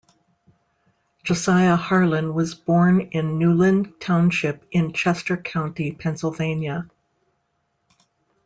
Josiah Harlan was born in Newlin Township in Chester County, Pennsylvania.